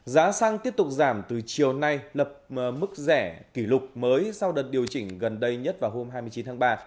giá xăng tiếp tục giảm từ chiều nay lập mức rẻ kỷ lục mới sau đợt điều chỉnh gần đây nhất vào hôm hai mươi chín tháng ba